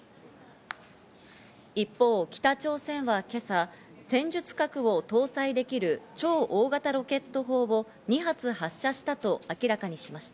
一方、北朝鮮は今朝、戦術核を搭載できる超大型ロケット砲を２発発射したと明らかにしました。